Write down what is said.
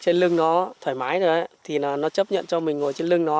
trên lưng nó thoải mái rồi ấy thì nó chấp nhận cho mình ngồi trên lưng nó